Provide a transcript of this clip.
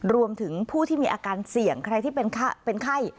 รวมถึงผู้ที่มีอาการเสี่ยงใครที่เป็นไข้